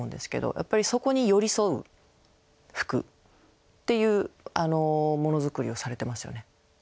やっぱりそこに寄り添う服っていうモノ作りをされてますよね。